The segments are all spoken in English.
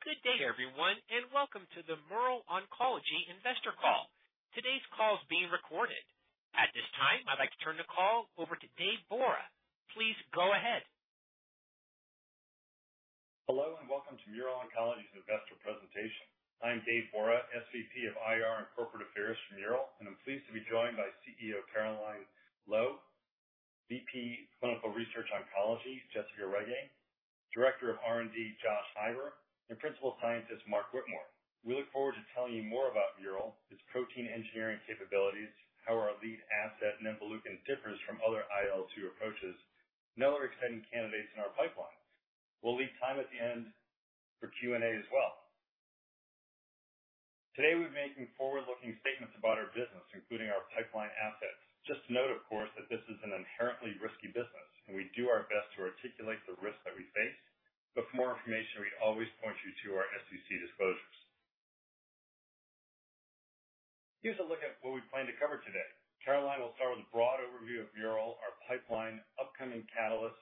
Good day, everyone, and welcome to the Mural Oncology Investor Call. Today's call is being recorded. At this time, I'd like to turn the call over to Dave Borah. Please go ahead. Hello, and welcome to Mural Oncology's investor presentation. I'm Dave Borah, SVP of IR and Corporate Affairs for Mural, and I'm pleased to be joined by CEO Caroline Loew, VP Clinical Research Oncology, Jessica Rege, Director of R&D, Josh Heiber, and Principal Scientist, Mark Whitmore. We look forward to telling you more about Mural, its protein engineering capabilities, how our lead asset, nemvaleukin, differs from other IL-2 approaches, and other exciting candidates in our pipeline. We'll leave time at the end for Q&A as well. Today, we're making forward-looking statements about our business, including our pipeline assets. Just to note, of course, that this is an inherently risky business, and we do our best to articulate the risks that we face. But for more information, we always point you to our SEC disclosures. Here's a look at what we plan to cover today. Caroline will start with a broad overview of Mural, our pipeline, upcoming catalysts,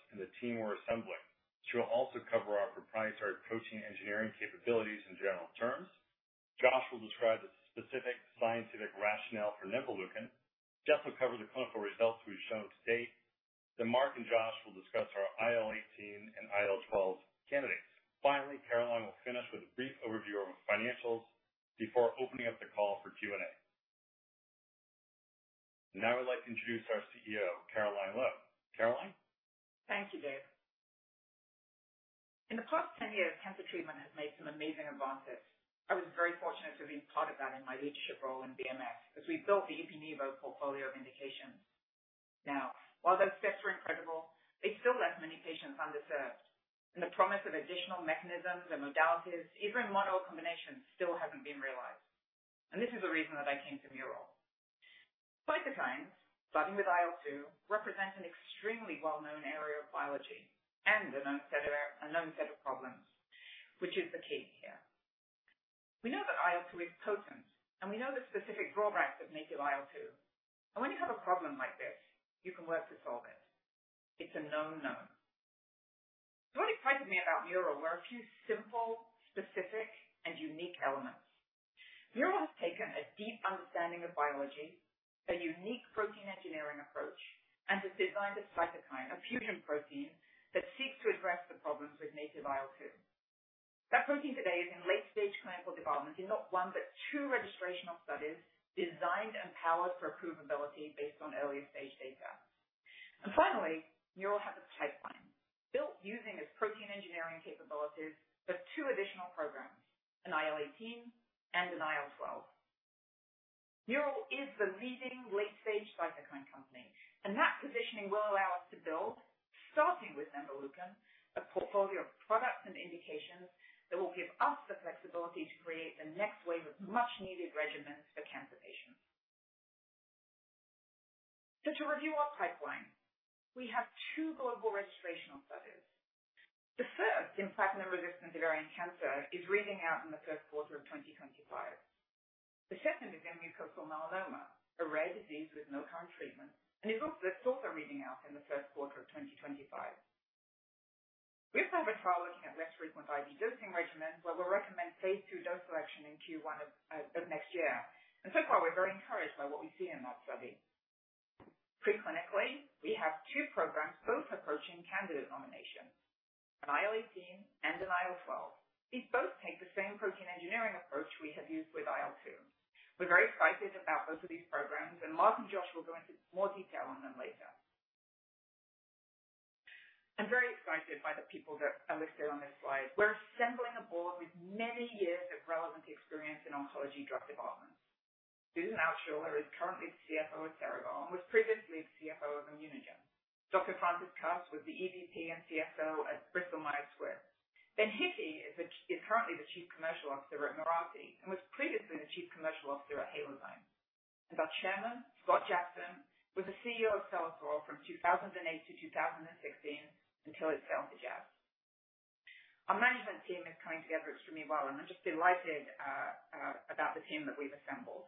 We know that IL-2 is potent, and we know the specific drawbacks of native IL-2. And when you have a problem like this, you can work to solve it. It's a known known. So what excites me about Mural are a few simple, specific, and unique elements. Mural has taken a deep understanding of biology, a unique protein engineering approach, and has designed a cytokine, a fusion protein, that seeks to address the problems with native IL-2. That protein today is in late-stage clinical development in not one, but two registrational studies designed and powered for approvability based on earlier stage data. And finally, Mural has a pipeline built using its protein engineering capabilities, with two additional programs, an IL-18 and an IL-12. Mural is the leading late-stage cytokine company, and that positioning will allow us to build, starting with nemvaleukin, a portfolio of products and indications that will give us the flexibility to create the next wave of much-needed regimens for cancer patients. So to review our pipeline, we have two global registrational studies. The first, in platinum-resistant ovarian cancer, is reading out in the first quarter of 2025. The second is in mucosal melanoma, a rare disease with no current treatment, and it's also reading out in the first quarter of 2025. We also have a trial looking at less frequent IV dosing regimens, where we'll recommend phase II dose selection in Q1 of next year. And so far, we're very encouraged by what we see in that study. Preclinically, we have two programs, both approaching candidate nomination, an IL-18 and an IL-12. These both take the same protein engineering approach we have used with IL-2. We're very excited about both of these programs, and Mark and Josh will go into more detail on them later. I'm very excited by the people that are listed on this slide. We're assembling a board with many years of relevant experience in oncology drug development. Susan Altschuller is currently the CFO of Cerevel, was previously the CFO of ImmunoGen. Dr. Francis Cuss was the EVP and CFO at Bristol-Myers Squibb. Ben Hickey is currently the Chief Commercial Officer at Mirati and was previously the Chief Commercial Officer at Halozyme. Our chairman, Scott Jackson, was the CEO of Celator from 2008 to 2016 until it sold to Jazz. Our management team is coming together extremely well, and I'm just delighted about the team that we've assembled.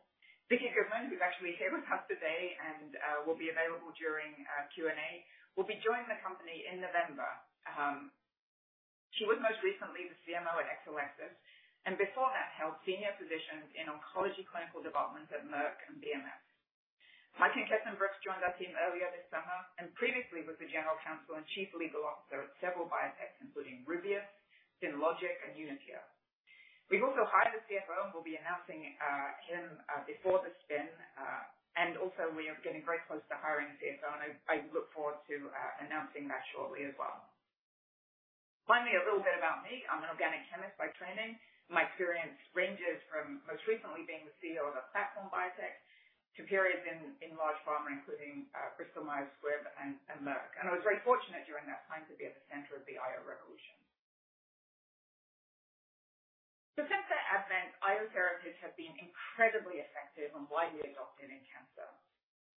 Vicki Goodman, who's actually here with us today and will be available during Q&A, will be joining the company in November. She was most recently the CMO at Exelixis, and before that, held senior positions in oncology clinical development at Merck and BMS. Maiken Keson-Brookes joined our team earlier this summer and previously was the General Counsel and Chief Legal Officer at several biotechs, including Rubius, Synlogic, and uniQure. We've also hired a CFO, and we'll be announcing him before the spin, and also we are getting very close to hiring a CSO, and I look forward to announcing that shortly as well. Finally, a little bit about me. I'm an organic chemist by training. My experience ranges from most recently being the CEO of a platform biotech to periods in large pharma, including Bristol-Myers Squibb and Merck. I was very fortunate during that time to be at the center of the IO revolution. So since their advent, IO therapies have been incredibly effective and widely adopted in cancer.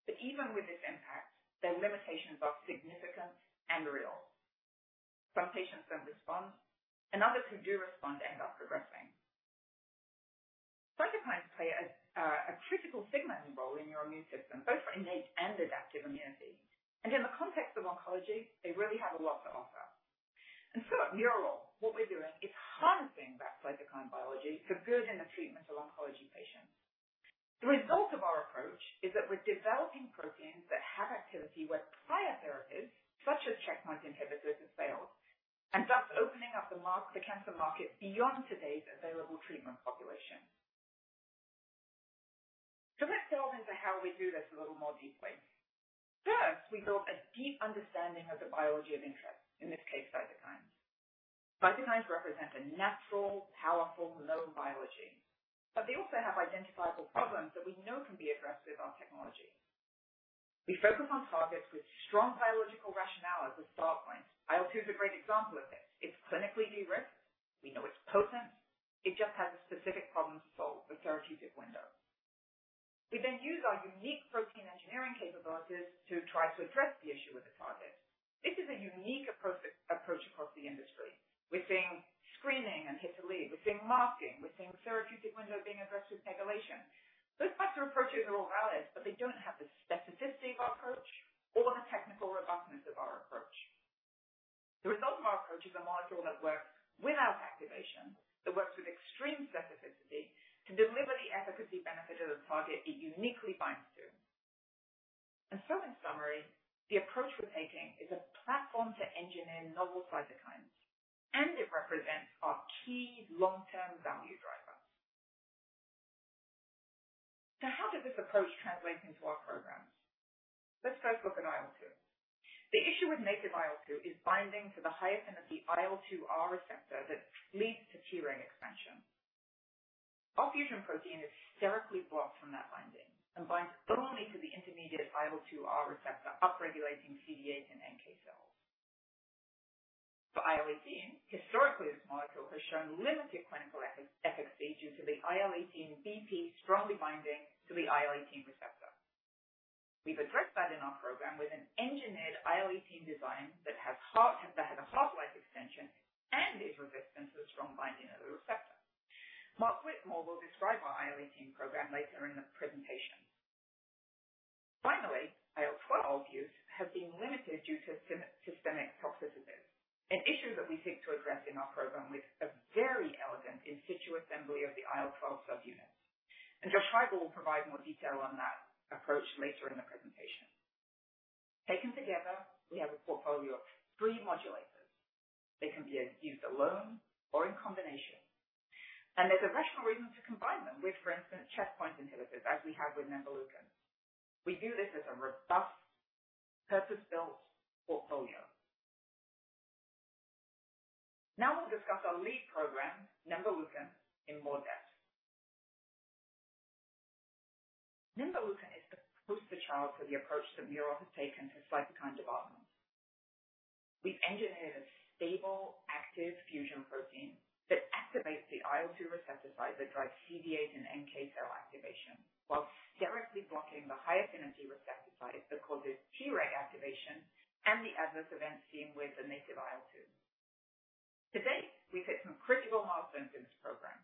But even with this impact, their limitations are significant and real. Some patients don't respond, and others who do respond end up progressing. Cytokines play a critical signaling role in your immune system, both for innate and adaptive immunity. In the context of oncology, they really have a lot to offer. So at Mural, what we're doing is harnessing that cytokine biology to improve in the treatment of oncology patients. The result of our approach is that we're developing proteins that have activity where prior therapies, such as checkpoint inhibitors, have failed, and thus opening up the cancer market beyond today's available treatment population. Let's get off into how we do this a little more deeply. First, we build a deep understanding of the biology of interest, in this case, cytokines. Cytokines represent a natural, powerful, known biology, but they also have identifiable problems that we know can be addressed with our technology. We focus on targets with strong biological rationale as a start point. IL-2 is a great example of this. It's clinically de-risked. We know it's potent. It just has a specific problem to solve, the therapeutic window. We then use our unique protein engineering capabilities to try to address the issue with the target. This is a unique approach, approach across the industry. We're seeing screening and hit-to-lead. We're seeing mimicking. We're seeing therapeutic window being addressed with PEGylation. Those types of approaches are all valid, but they don't have the specificity of our approach or the technical robustness of our approach. The result of our approach is a molecule that works without activation, that works with extreme specificity to deliver the efficacy benefit of the target it uniquely binds to. And so, in summary, the approach we're taking is a platform to engineer novel cytokines, and it represents our key long-term value driver. So how does this approach translate into our programs? Let's first look at IL-2. The issue with native IL-2 is binding to the high-affinity IL-2R receptor that leads to Treg expansion. Our fusion protein is sterically blocked from that binding and binds only to the intermediate-affinity IL-2R receptor, upregulating CD8+ and NK cells. For IL-18, historically, this molecule has shown limited clinical efficacy due to the IL-18BP strongly binding to the IL-18 receptor. We've addressed that in our program with an engineered IL-18 design that has a half-life extension and is resistant to the strong binding of the receptor. Mark Whitmore will describe our IL-18 program later in the presentation. Finally, IL-12 use has been limited due to systemic toxicities, an issue that we seek to address in our program with a very elegant in situ assembly of the IL-12 subunits. Josh Heiber will provide more detail on that approach later in the presentation. Taken together, we have a portfolio of three modulators. They can be used alone or in combination, and there's a rational reason to combine them with, for instance, checkpoint inhibitors, as we have with nemvaleukin. We view this as a robust, purpose-built portfolio. Now we'll discuss our lead program, nemvaleukin, in more depth. Nemvaleukin is the poster child for the approach that Mural has taken to cytokine development. We've engineered a stable, active fusion protein that activates the IL-2 receptor site that drives CD8+ and NK cell activation, while directly blocking the high affinity receptor site that causes Treg activation and the adverse events seen with the native IL-2. To date, we've hit some critical milestones in this program.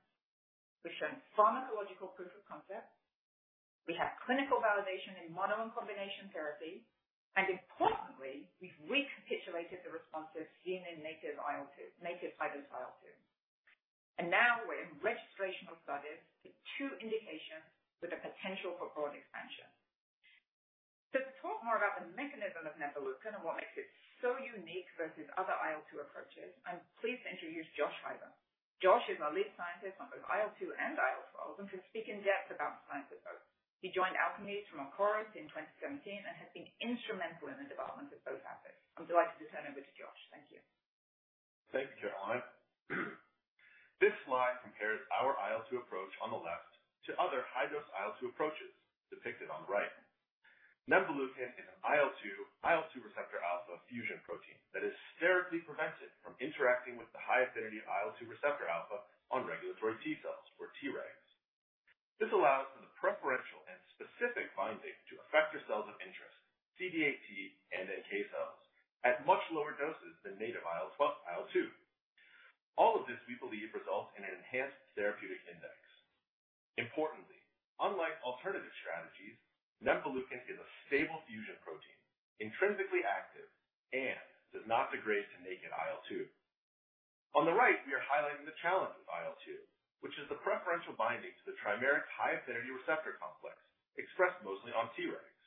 We've shown pharmacological proof of concept. We have clinical validation in mono and combination therapy, and importantly, we've recapitulated the responses seen in native IL-2-- native high-dose IL-2. Now we're in registrational studies with two indications with a potential for broad expansion. To talk more about the mechanism of nemvaleukin and what makes it so unique versus other IL-2 approaches, I'm pleased to introduce Josh Heiber. Josh is our lead scientist on both IL-2 and IL-12 and can speak in depth about the science of both. He joined Alkermes from Oncorus in 2017 and has been instrumental in the development of both assets. I'm delighted to turn it over to Josh. Thank you. Thank you, Caroline. This slide compares our IL-2 approach on the left to other high-dose IL-2 approaches depicted on the right. Nemvaleukin is an IL-2, IL-2 receptor alpha fusion protein that is sterically prevented from interacting with the high-affinity IL-2 receptor alpha on regulatory T cells or Tregs. This allows for the preferential and specific binding to effector cells of interest, CD8+ T and NK cells, at much lower doses than native IL-2. All of this, we believe, results in an enhanced therapeutic index. Importantly, unlike alternative strategies, nemvaleukin is a stable fusion protein, intrinsically active, and does not degrade to naked IL-2. On the right, we are highlighting the challenge of IL-2, which is the preferential binding to the trimeric high-affinity receptor complex expressed mostly on Tregs.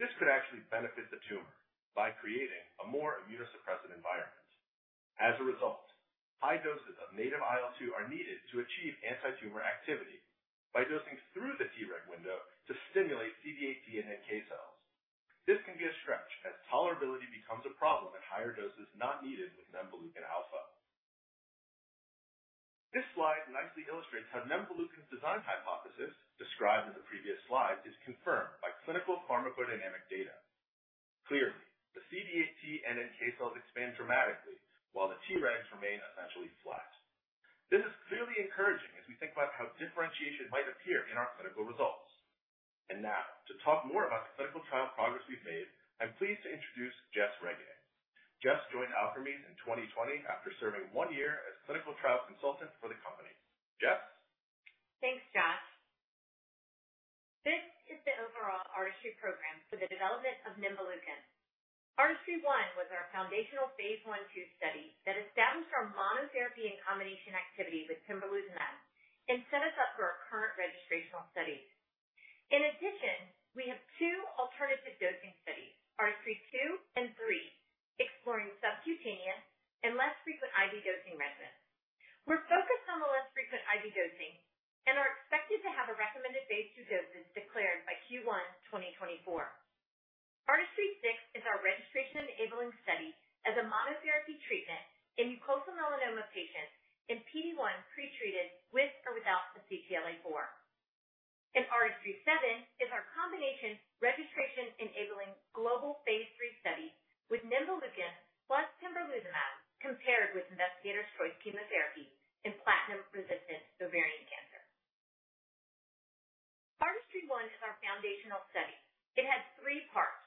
This could actually benefit the tumor by creating a more immunosuppressive environment. As a result, high doses of native IL-2 are needed to achieve antitumor activity by dosing through the Treg window to stimulate CD8+ T and NK cells. This can be a stretch, as tolerability becomes a problem at higher doses not needed with nemvaleukin alfa. This slide nicely illustrates how nemvaleukin's design hypothesis, described in the previous slide, is confirmed by clinical pharmacodynamic data. Clearly, the CD8+ T and NK cells expand dramatically while the Tregs remain essentially flat. This is clearly encouraging as we think about how differentiation might appear in our clinical results. Now to talk more about the clinical trial progress we've made, I'm pleased to introduce Jess Rege. Jess joined Alkermes in 2020 after serving one year as clinical trials consultant for the company. Jess? Thanks, Josh. This is the overall ARTISTRY program for the development of nemvaleukin. ARTISTRY-1 was our foundational phase I/II study that established our monotherapy and combination activity with pembrolizumab and set us up for our current registrational studies. In addition, we have two alternative dosing studies, ARTISTRY-2 and 3, exploring subcutaneous and less frequent IV dosing regimens. We're focused on the less frequent IV dosing and are expected to have a recommended phase II dosage declared by Q1 2024. ARTISTRY-6 is our registration-enabling study as a monotherapy treatment in mucosal melanoma patients PD-1 pretreated with or without the CTLA-4. ARTISTRY-7 is our combination registration-enabling global phase III study with nemvaleukin plus pembrolizumab, compared with investigator's choice chemotherapy in platinum-resistant ovarian cancer. ARTISTRY-1 is our foundational study. It had three parts.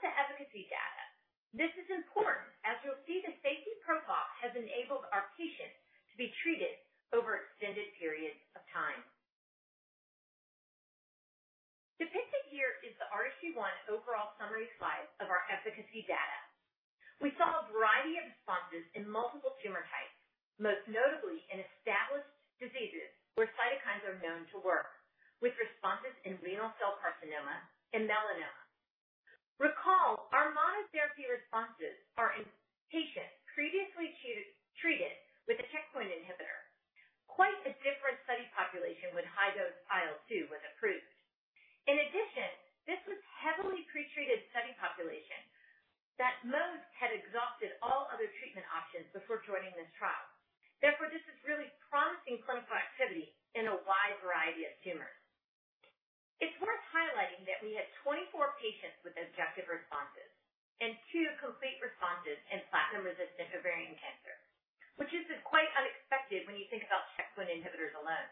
the efficacy data, this is important, as you'll see, the safety profile has enabled our patients to be treated over extended periods of time. Depicted here is the ARTISTRY-1 overall summary slide of our efficacy data. We saw a variety of responses in multiple tumor types, most notably in established diseases where cytokines are known to work, with responses in renal cell carcinoma and melanoma. Recall, our monotherapy responses are in patients previously treated, treated with a checkpoint inhibitor. Quite a different study population when high-dose IL-2 was approved. In addition, this was heavily pretreated study population that most had exhausted all other treatment options before joining this trial. Therefore, this is really promising clinical activity in a wide variety of tumors. It's worth highlighting that we had 24 patients with objective responses and two complete responses in platinum-resistant ovarian cancer, which is quite unexpected when you think about checkpoint inhibitors alone.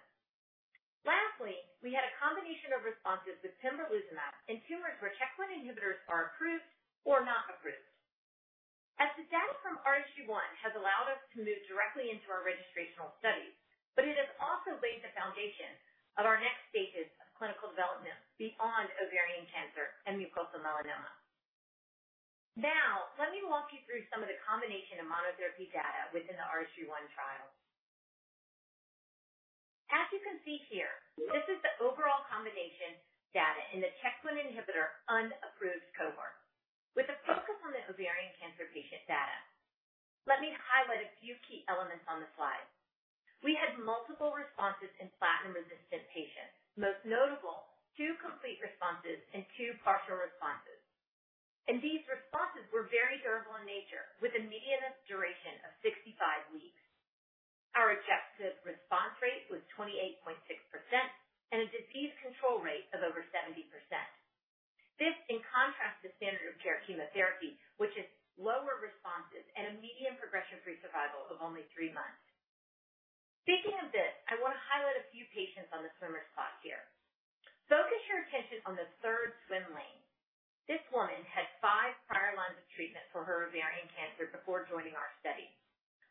Lastly, we had a combination of responses with pembrolizumab in tumors where checkpoint inhibitors are approved or not approved. As the data from ARTISTRY-1 has allowed us to move directly into our registrational studies, but it has also laid the foundation of our next stages of clinical development beyond ovarian cancer and mucosal melanoma. Now, let me walk you through some of the combination of monotherapy data within the ARTISTRY-1 trial. As you can see here, this is the overall combination data in the checkpoint inhibitor unapproved cohort with a focus on the ovarian cancer patient data. Let me highlight a few key elements on the slide. We had multiple responses in platinum-resistant patients, most notable, two complete responses and two partial responses. These responses were very durable in nature, with a median duration of 65 weeks. Our objective response rate was 28.6% and a disease control rate of over 70%. This in contrast to standard of care chemotherapy, which is lower responses and a median progression-free survival of only three months. Speaking of this, I want to highlight a few patients on the swimmer plot here. Focus your attention on the third swim lane. This woman had five prior lines of treatment for her ovarian cancer before joining our study.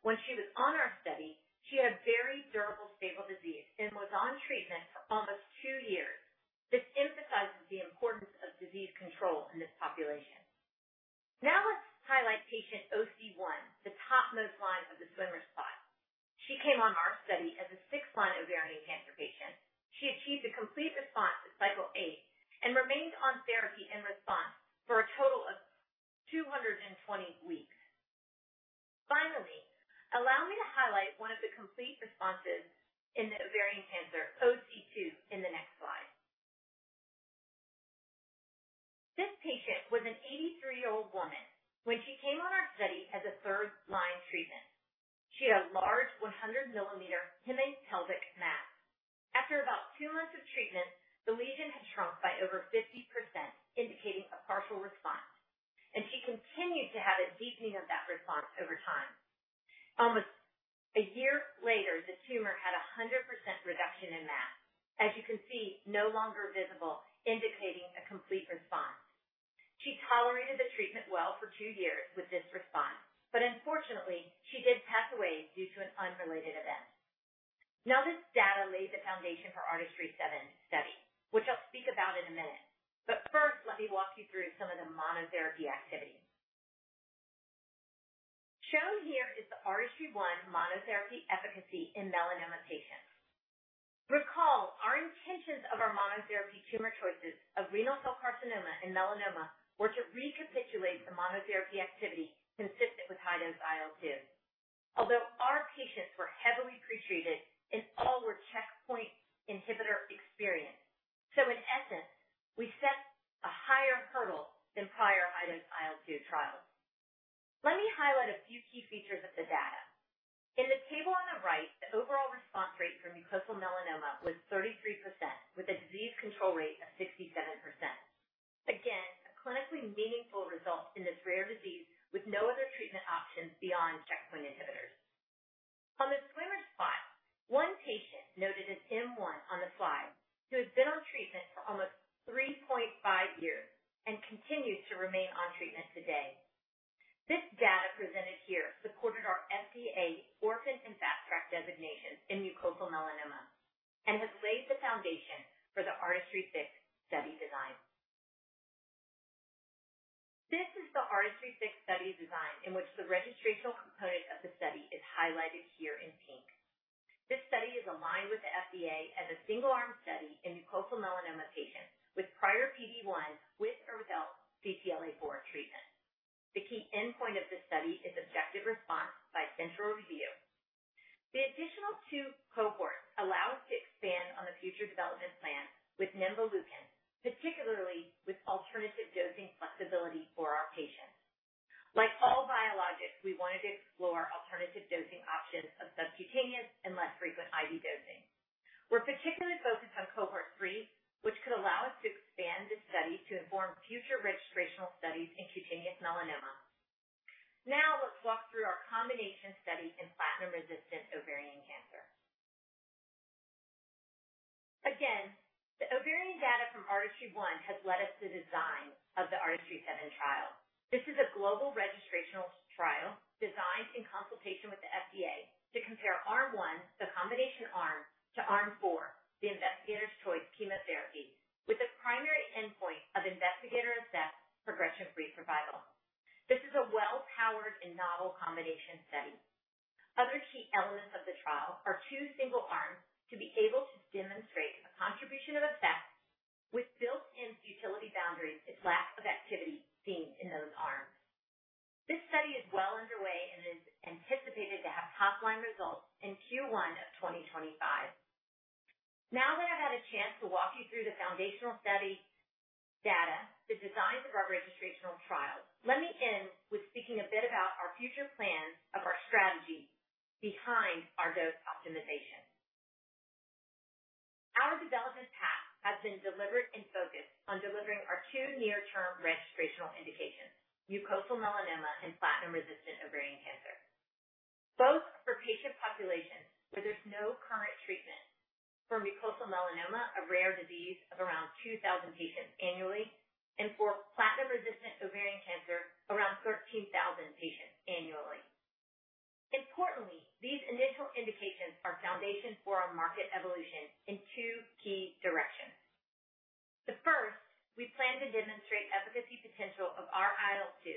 When she was on our study, she had very durable, stable disease and was on treatment for almost two years. This emphasizes the importance of disease control in this population. Now let's highlight patient OC-1, the topmost line of the swimmer plot. She came on our study as a sixth-line ovarian cancer patient. She achieved a complete response at cycle eight and remained on therapy in response for a total of 220 weeks. Finally, allow me to highlight one of the complete responses in the ovarian cancer, OC-2, in the next slide. This patient was an 83-year-old woman when she came on our study as a third-line treatment. She had a large 100 mm hemipelvic mass. After about 2 months of treatment, the lesion had shrunk by over 50%, indicating a partial response, and she continued to have a deepening of that response over time. Almost a year later, the tumor had 100% reduction in mass. As you can see, no longer visible, indicating a complete response. She tolerated the treatment well for two years with this response, but unfortunately, she did pass away due to an unrelated event. Now, this data laid the foundation for ARTISTRY-7 study, which I'll speak about in a minute. But first, let me walk you through some of the monotherapy activity. Shown here is the ARTISTRY-1 monotherapy efficacy in melanoma patients. Recall, our intentions of our monotherapy tumor choices of renal cell carcinoma and melanoma were to recapitulate the monotherapy activity consistent with high-dose IL-2. Although our patients were heavily pretreated and all were checkpoint inhibitor experienced, so in essence, we set a higher hurdle than prior high-dose IL-2 trials. Let me highlight a few key features of the data. In the table on the right, the overall response rate for mucosal melanoma was 33%, with a disease control rate of 67%. Again, a clinically meaningful result in this rare disease with no other treatment options beyond checkpoint inhibitors. On the swimmer plot, one patient, noted as M1 on the slide, who has been on treatment for almost 3.5 years and continues to remain on treatment today. This data presented here supported our FDA Orphan and Fast Track designations in mucosal melanoma and has laid the foundation for the ARTISTRY-6 study design. This is the ARTISTRY-6 study design, in which the registrational component of the study is highlighted here in pink. This study is aligned with the FDA as a single-arm study in mucosal melanoma patients with prior PD-1, with or without CTLA-4 treatment. The key endpoint of this study is objective response by central review. The additional two cohorts allow us to expand on the future development plan with nemvaleukin, particularly with alternative dosing flexibility for our patients. Like all biologics, we wanted to explore alternative dosing options of subcutaneous and less frequent IV dosing. We're particularly focused on cohort 3, which could allow us to expand this study to inform future registrational studies in cutaneous melanoma. Now, let's walk through our combination study in platinum-resistant ovarian cancer. Again, the ovarian data from ARTISTRY-1 has led us to design of the ARTISTRY-7 trial. This is a global registrational trial designed in consultation with the FDA to compare Arm 1, the combination Arm, to Arm 4, the investigator's choice chemotherapy, with a primary endpoint of investigator-assessed progression-free survival. This is a well-powered and novel combination study. Other key elements of the trial are two single Arms to be able to demonstrate a contribution of effect with built-in futility boundaries if lack of activity seen in those Arms. This study is well underway and is anticipated to have top-line results in Q1 of 2025. Now that I've had a chance to walk you through the foundational study data, the designs of our registrational trial, let me end with speaking a bit about our future plans of our strategy behind our dose optimization. Our development path has been deliberate and focused on delivering our two near-term registrational indications, mucosal melanoma and platinum-resistant ovarian cancer, both for patient populations where there's no current treatment, for mucosal melanoma, a rare disease of around 2,000 patients annually, and for platinum-resistant ovarian cancer, around 13,000 patients annually. Importantly, these initial indications are foundation for our market evolution in two key directions. The first, we plan to demonstrate efficacy potential of our IL-2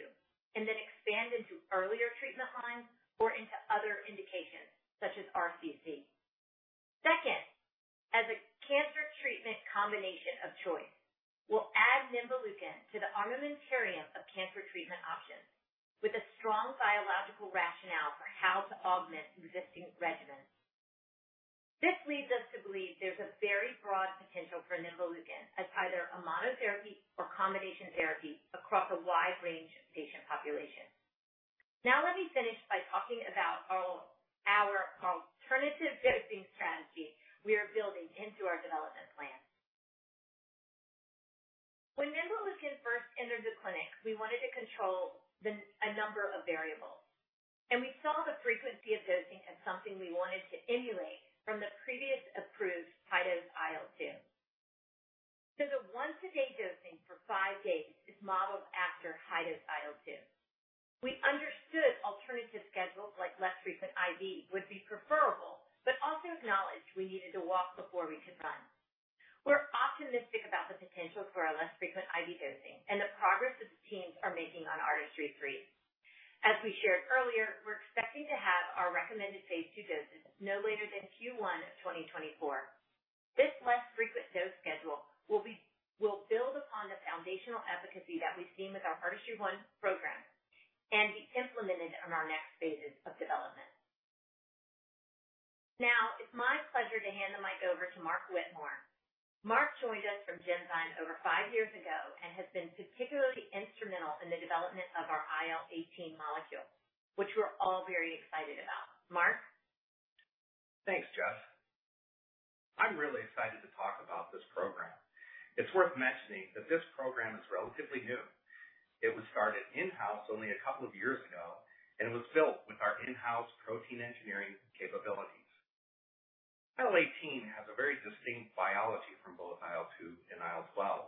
and then expand into earlier treatment lines or into other indications, such as RCC. Second, as a cancer treatment combination of choice, we'll add nemvaleukin to the armamentarium of cancer treatment options with a strong biological rationale for how to augment existing regimens. This leads us to believe there's a very broad potential for nemvaleukin as either a monotherapy or combination therapy across a wide range of patient populations. Now, let me finish by talking about our alternative dosing strategy we are building into our development plan. When nemvaleukin first entered the clinic, we wanted to control a number of variables, and we saw the frequency of dosing as something we wanted to emulate from the previous approved high-dose IL-2. So the once-a-day dosing for five days is modeled after high-dose IL-2. We understood alternative schedules, like less frequent IV, would be preferable, but also acknowledged we needed to walk before we could run. We're optimistic about the potential for our less frequent IV dosing and the progress the teams are making on ARTISTRY-3. As we shared earlier, we're expecting to have our recommended phase II doses no later than Q1 of 2024. This less frequent dose schedule will build upon the foundational efficacy that we've seen with our ARTISTRY-1 program and be implemented on our next phases of development. Now, it's my pleasure to hand the mic over to Mark Whitmore. Mark joined us from Genzyme over five years ago and has been particularly instrumental in the development of our IL-18 molecule, which we're all very excited about. Mark? Thanks, Jess. I'm really excited to talk about this program. It's worth mentioning that this program is relatively new. It was started in-house only a couple of years ago, and it was built with our in-house protein engineering capabilities. IL-18 has a very distinct biology from both IL-2 and IL-12,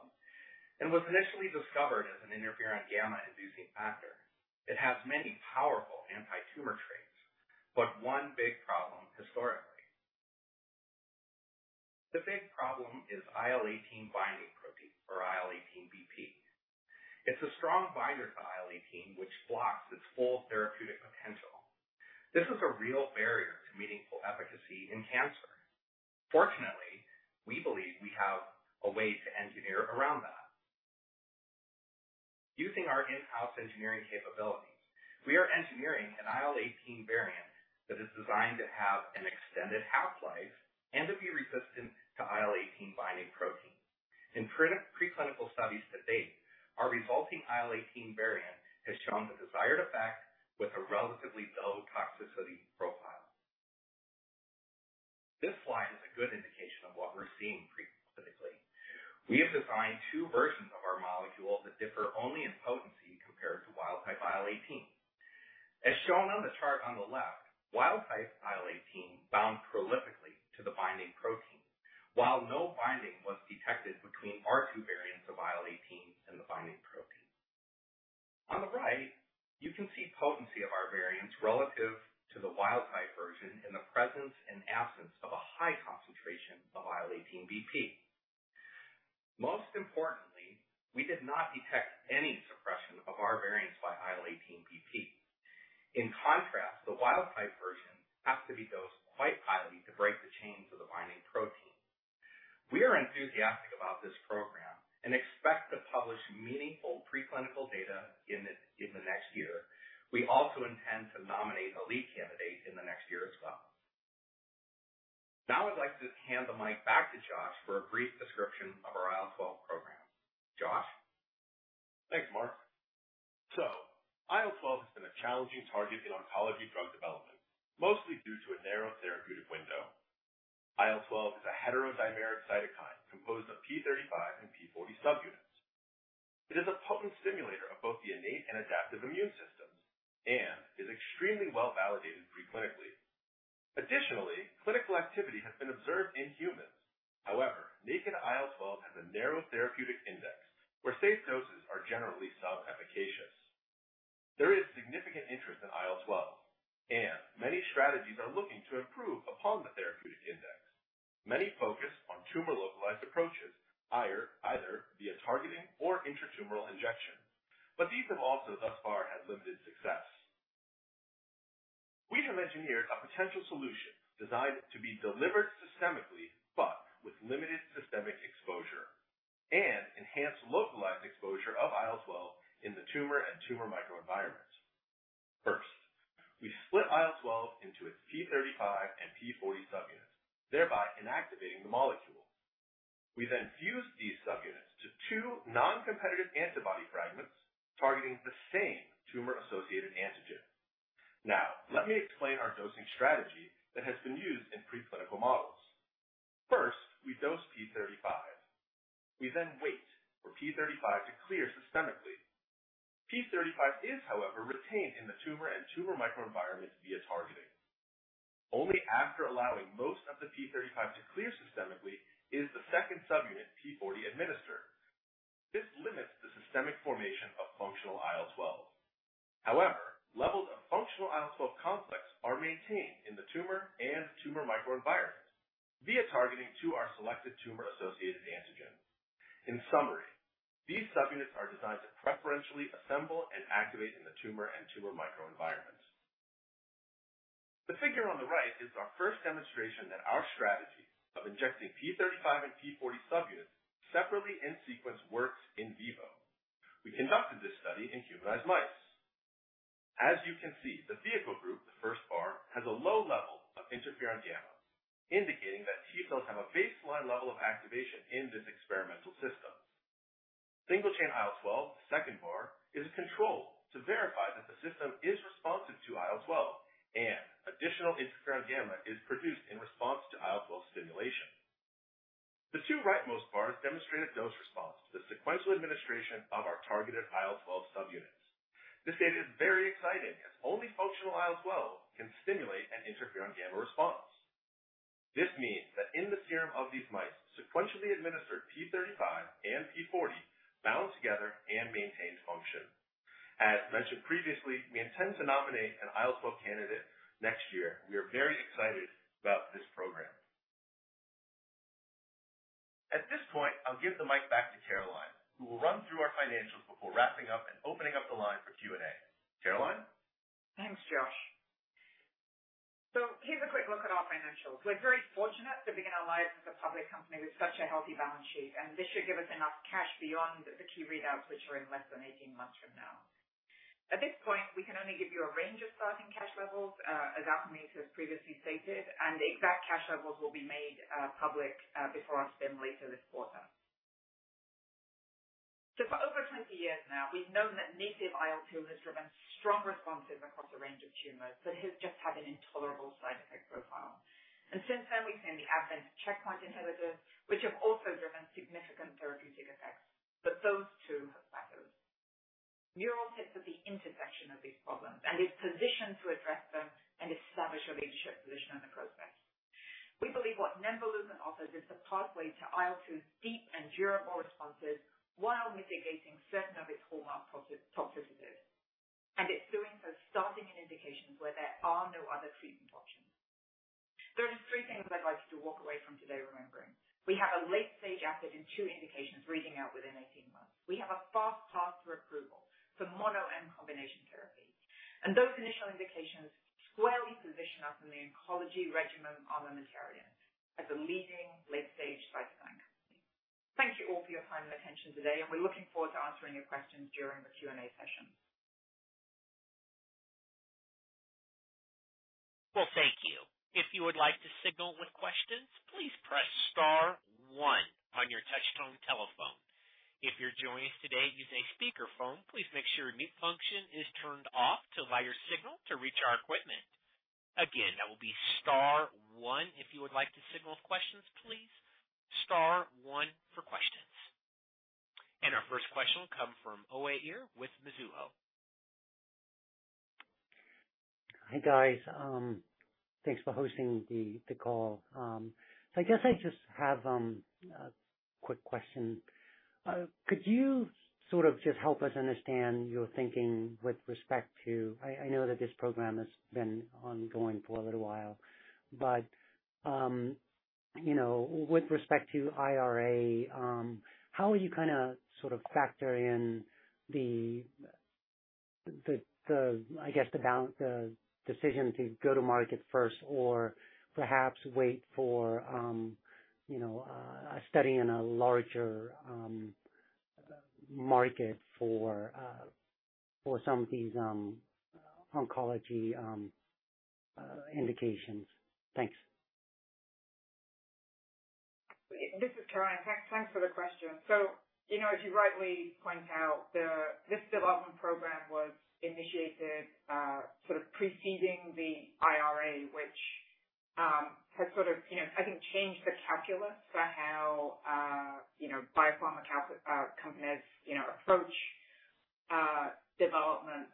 and was initially discovered as an interferon gamma-inducing factor. It has many powerful antitumor traits, but one big problem historically. The big problem is IL-18 binding protein, or IL-18BP. It's a strong binder to IL-18, which blocks its full therapeutic potential. This is a real barrier to meaningful efficacy in cancer. Fortunately, we believe we have a way to engineer around that. Using our in-house engineering capabilities, we are engineering an IL-18 variant that is designed to have an extended half-life and to be resistant to IL-18 binding protein. In preclinical studies to date, our resulting IL-18 variant has shown the desired effect with a relatively low toxicity profile. This slide is a good indication of what we're seeing preclinically. We have designed two versions of our molecule that differ only in potency compared to wild-type IL-18. As shown on the chart on the left, wild-type IL-18 bound prolifically to the binding protein, while no binding was detected between our two variants of IL-18 and the binding protein. On the right, you can see potency of our variants relative to the wild-type version in the presence and absence of a high concentration of IL-18 BP. Most importantly, we did not detect any suppression of our variants by IL-18 BP. In contrast, the wild-type version has to be dosed quite highly to break the chains of the binding protein. We are enthusiastic about this program and expect to publish meaningful preclinical data in the next year. We also intend to nominate a lead candidate in the next year as well. Now I'd like to hand the mic back to Josh for a brief description of our IL-12 program. Josh? Thanks, Mark. So IL-12 has been a challenging target in oncology drug development, mostly due to a narrow therapeutic window. IL-12 is a heterodimeric cytokine composed of p35 and p40 subunits. It is a potent stimulator of both the innate and adaptive immune systems and is extremely well validated preclinically. Additionally, clinical activity has been observed in humans. However, naked IL-12 has a narrow therapeutic index where safe doses are generally sub-efficacious. There is significant interest in IL-12, and many strategies are looking to improve upon the therapeutic index. Many focus on tumor-localized approaches, either via targeting or intratumoral injection, but these have also thus far had limited success. We have engineered a potential solution designed to be delivered systemically, but with limited systemic exposure and enhanced localized exposure of IL-12 in the tumor and tumor microenvironment. First, we split IL-12 into its p35 and p40 subunits, thereby inactivating the molecule. We then fuse these subunits to two non-competitive antibody fragments targeting the same tumor-associated antigen. Now, let me explain our dosing strategy that has been used in preclinical models. First, we dose p35. We then wait for p35 to clear systemically. p35 is, however, retained in the tumor and tumor microenvironment via targeting. Only after allowing most of the p35 to clear systemically is the second subunit, p40, administered. This limits the systemic formation of functional IL-12. However, levels of functional IL-12 complexes are maintained in the tumor and tumor microenvironment via targeting to our selected tumor-associated antigen. In summary, these subunits are designed to preferentially assemble and activate in the tumor and tumor microenvironment. The figure on the right is our first demonstration that our strategy of injecting p35 and p40 subunits separately in sequence works in vivo. We conducted this study in humanized mice. As you can see, the vehicle group, the first bar, has a low level of interferon gamma, indicating that T cells have a baseline level of activation in this experimental system. Single-chain IL-12, second bar, is a control to verify that the system is responsive to IL-12 and additional interferon gamma is produced in response to IL-12 stimulation. The two rightmost bars demonstrate a dose response to the sequential administration of our targeted IL-12 subunits. This data is very exciting, as only functional IL-12 can stimulate an interferon gamma response. This means that in the serum of these mice, sequentially administered p35 and p40 bound together and maintained function. As mentioned previously, we intend to nominate an IL-12 candidate next year. We are very excited about this program. At this point, I'll give the mic back to Caroline, who will run through our financials before wrapping up and opening up the line for Q&A. Caroline? Thanks, Josh. So here's a quick look at our financials. We're very fortunate to begin our life as a public company with such a healthy balance sheet, and this should give us enough cash beyond the key readouts, which are in less than 18 months from now. At this point, we can only give you a range of starting cash levels, as Alkermes has previously stated, and the exact cash levels will be made public before our spin later this quarter. So for over 20 years now, we've known that native IL-2 has driven strong responses across a range of tumors, but has just had an intolerable side effect profile. And since then, we've seen the advent of checkpoint inhibitors, which have also driven significant therapeutic effects, but those too have shackles. sits at the intersection of these problems, and is positioned to address them and establish a leadership position in the process. We believe what nemvaleukin offers is the pathway to IL-2's deep and durable responses while mitigating certain of its hallmark toxicities, and it's doing so starting in indications where there are no other treatment options. There are just three things I'd like you to walk away from today remembering. We have a late-stage asset in two indications reading out within 18 months. We have a fast path to approval for mono and combination therapy. And those initial indications squarely position us in the oncology regimen armamentarium as a leading late-stage pipeline company. Thank you all for your time and attention today, and we're looking forward to answering your questions during the Q&A session. Well, thank you. If you would like to signal with questions, please press star one on your touchtone telephone. If you're joining us today using a speakerphone, please make sure your mute function is turned off to allow your signal to reach our equipment. Again, that will be star one if you would like to signal questions, please. Star one for questions. And our first question will come from Uy Ear with Mizuho. Hi, guys. Thanks for hosting the call. So I guess I just have a quick question. Could you sort of just help us understand your thinking with respect to. I know that this program has been ongoing for a little while, but, you know, with respect to IRA, how are you kind of, sort of factor in the, I guess, the decision to go to market first or perhaps wait for, you know, a study in a larger market for, for some of these, oncology, indications? Thanks. This is Caroline. Thanks, thanks for the question. So, you know, as you rightly point out, this development program was initiated sort of preceding the IRA, which has sort of, you know, I think, changed the calculus for how you know biopharma companies you know approach development.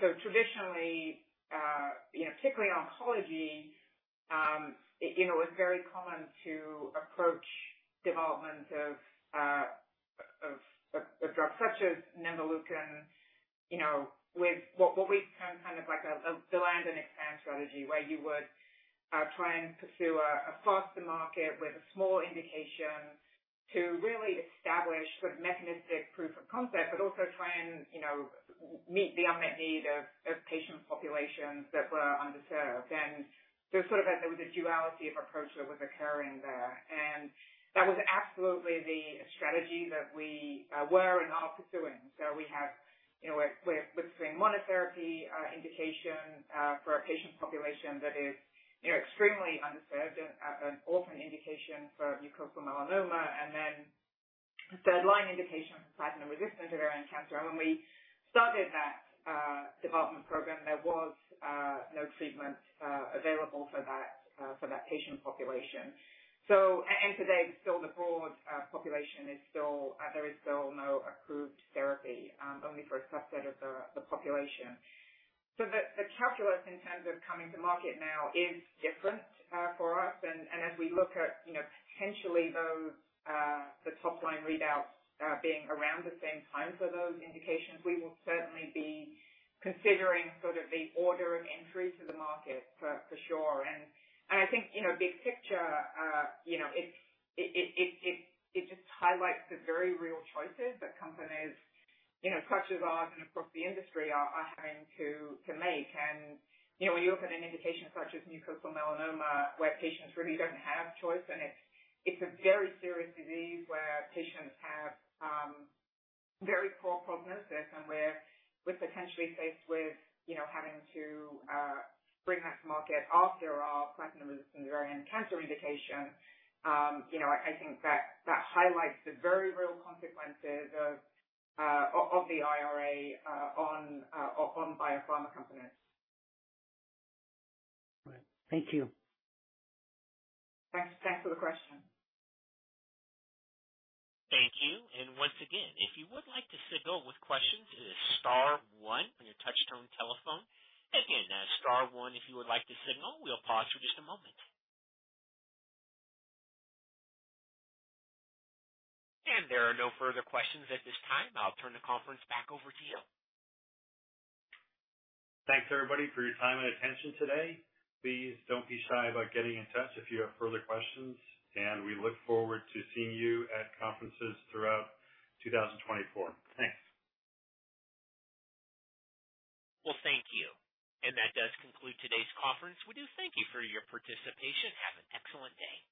So traditionally, you know, particularly in oncology, it you know it's very common to approach development of drugs such as nemvaleukin you know with what we term kind of like a land and expand strategy, where you would try and pursue a foster market with a small indication to really establish sort of mechanistic proof of concept, but also try and you know meet the unmet need of patient populations that were underserved. There was a duality of approach that was occurring there, and that was absolutely the strategy that we were and are pursuing. So we have, you know, we're with the same monotherapy indication for a patient population that is, you know, extremely underserved and an orphan indication for mucosal melanoma and then the third-line indication for platinum-resistant ovarian cancer. And when we started that development program, there was no treatment available for that patient population. So. And today, still the broad population is still there is still no approved therapy only for a subset of the population. So the calculus in terms of coming to market now is different for us. As we look at, you know, potentially those the top-line readouts being around the same time for those indications, we will certainly be considering sort of the order of entry to the market for sure. And I think, you know, big picture, you know, it just highlights the very real choices that companies, you know, such as ours and across the industry are having to make. You know, when you look at an indication such as mucosal melanoma, where patients really don't have choice, and it's a very serious disease where patients have very poor prognosis and we're potentially faced with, you know, having to bring that to market after our platinum-resistant ovarian cancer indication, you know, I think that highlights the very real consequences of the IRA on biopharma companies. Right. Thank you. Thanks. Thanks for the question. Thank you. Once again, if you would like to signal with questions, it is star one on your touch-tone telephone. Again, star one if you would like to signal. We'll pause for just a moment. There are no further questions at this time. I'll turn the conference back over to you. Thanks, everybody, for your time and attention today. Please don't be shy about getting in touch if you have further questions, and we look forward to seeing you at conferences throughout 2024. Thanks. Well, thank you. That does conclude today's conference. We do thank you for your participation. Have an excellent day.